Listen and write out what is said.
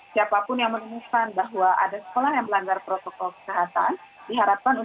siapapun yang menemukan bahwa ada sekolah yang melanggar protokol kesehatan